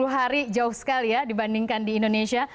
tiga puluh hari jauh sekali ya dibandingkan di indonesia